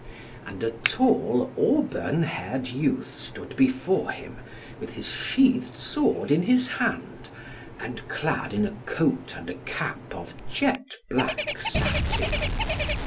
And a tall auburn haired youth stood before him, with his sheathed sword in his hand, and clad in a coat and a cap of jet black satin.